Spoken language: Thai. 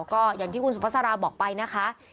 ก็อย่างที่คุณสุภาษาราบอกไปนะคะ